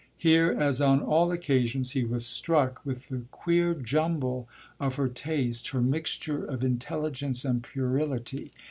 Here, as on all occasions, he was struck with the queer jumble of her taste, her mixture of intelligence and puerility.